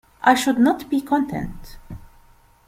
I should not be content.